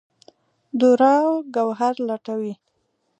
دُراو ګوهر لټوي